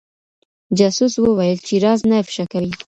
جاسوس وويل چي راز نه افشا کوي.